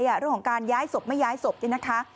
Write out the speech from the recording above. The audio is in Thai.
เรื่องของการย้ายศพไม่ย้ายศพนี่นะคะ